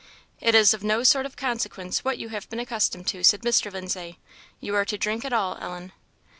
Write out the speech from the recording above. "It is of no sort of consequence what you have been accustomed to," said Mr. Lindsay. "You are to drink it all, Ellen."